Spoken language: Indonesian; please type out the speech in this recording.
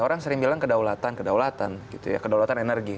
orang sering bilang kedaulatan kedaulatan kedaulatan energi